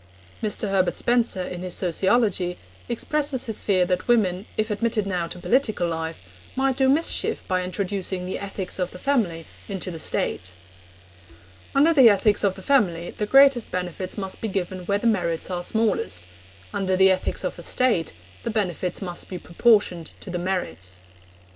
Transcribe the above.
Mr. Herbert Spencer, in his Sociology, expresses his fear that women, if admitted now to political life, might do mischief by introducing the ethics of the family into the State. 'Under the ethics of the family the greatest benefits must be given where the merits are smallest; under the ethics of the State the benefits must be proportioned to the merits.'